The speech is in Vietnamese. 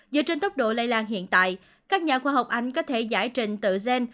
dựa trên tốc độ lây lan hiện tại các nhà khoa học anh có thể giải trình tự gen